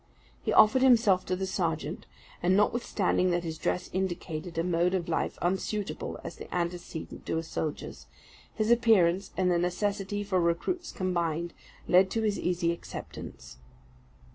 He offered himself to the sergeant; and, notwithstanding that his dress indicated a mode of life unsuitable as the antecedent to a soldier's, his appearance, and the necessity for recruits combined, led to his easy acceptance.